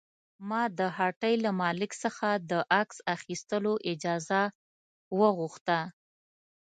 ما د هټۍ له مالک څخه د عکس اخیستلو اجازه وغوښته.